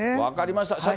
分かりました。